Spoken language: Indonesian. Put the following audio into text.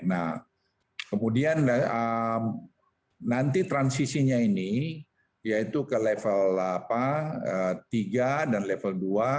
nah kemudian nanti transisinya ini yaitu ke level tiga dan level dua